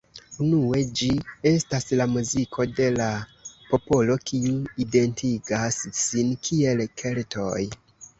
Unue, ĝi estas la muziko de la popolo kiu identigas sin kiel Keltoj.